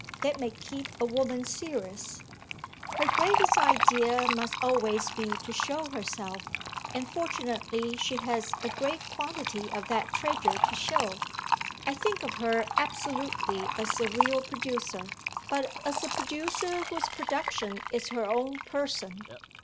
That may keep a woman serious." "Her greatest idea must always be to show herself, and fortunately she has a great quantity of that treasure to show. I think of her absolutely as a real producer, but as a producer whose production is her own person.